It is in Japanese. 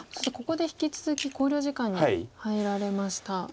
ここで引き続き考慮時間に入られました。